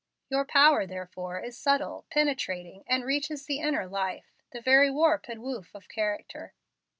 Your power, therefore, is subtle, penetrating, and reaches the inner life, the very warp and woof of character.